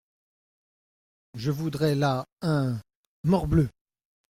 Je voudrais là… un… morbleu !…